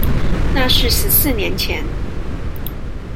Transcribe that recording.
那是十四年前